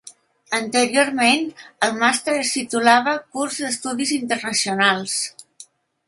Anteriorment el màster es titulava Curs d'Estudis Internacionals.